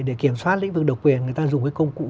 để kiểm soát lĩnh vực độc quyền người ta dùng cái công cụ